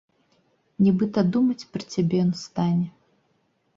Нібыта думаць пра цябе ён стане.